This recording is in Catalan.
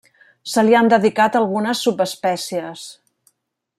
Se li han dedicat algunes subespècies.